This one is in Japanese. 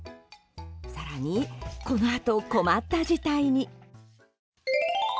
更に、このあと困った事態に。